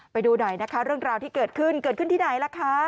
ไปดูหน่อยนะคะเรื่องราวที่เกิดขึ้นเกิดขึ้นที่ไหนล่ะคะ